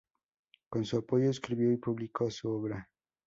Con su apoyo escribió y publicó su obra.